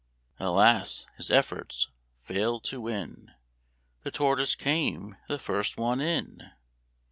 Alas! his efforts failed to win, The Tortoise came the first one in.